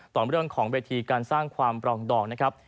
เรื่องของเวทีการสร้างความปรองดองนะครับ